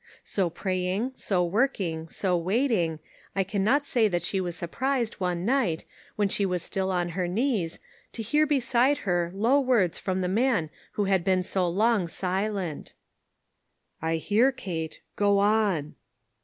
So praying, so working, so waiting, I can not say that she was surprised, one night, while she was still on her knees, to hear beside her low words from the man who ban been so long silent. 43° ONE COMMONPLACE DAY. " I hear, Kate ; go on."